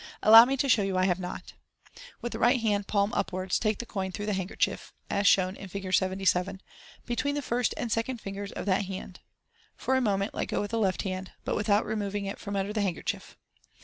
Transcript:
Allow me to show you that I have not." With the right hand, palm upwards, take the coin through the handkerchief, (as shown in Fig. 77), between the first and second ringers of that hand. For a mo ment let go with the left hand (but without re moving it from under the handkerchief).